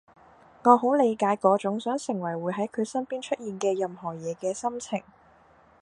我好理解嗰種想成為會喺佢身邊出現嘅任何嘢嘅心情